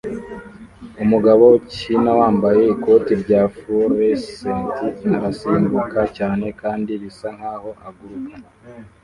Umugabo ukinawambaye ikoti rya fluorescent arasimbuka cyane kandi bisa nkaho aguruka